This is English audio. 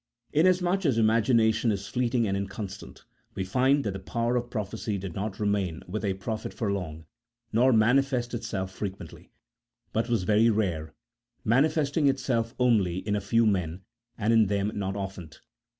Inasmuch as imagination is fleeting and inconstant, we find that the power of prophecy did not remain with a 26 A THEOLOGICO POLITICAL TREATISE. [CHAP. I. prophet for long, nor manifest itself frequently, but was very rare ; manifesting itself only in a few men, and in them not often.